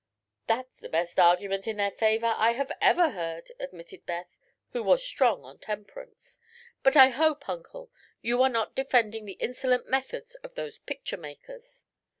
"That is the best argument in their favor I have ever heard," admitted Beth, who was strong on temperance; "but I hope, Uncle, you are not defending the insolent methods of those picture makers."